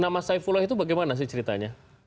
nama saifullah itu bagaimana sih ceritanya